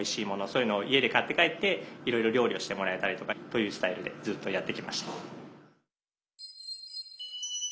そういうのを家で買って帰っていろいろ料理してもらえたりとかというスタイルでずっとやってきました。